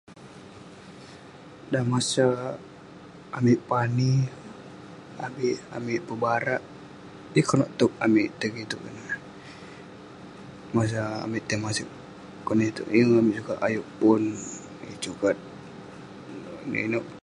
Dan masa amik pani, avik amik pebarak, yah konak tog amik tuai kitouk ineh. Masa amik tai maseg konak itouk, yeng amik sukat ayuk pon. Yeng sukat inouk inouk-